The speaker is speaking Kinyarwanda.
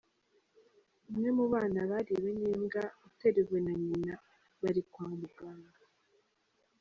umwe mu bana bariwe n’imbwa uteruwe na nyina bari kwa muganga.